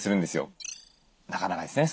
なかなかですね